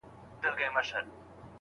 که زده کوونکي په شوق سره املا ولیکي.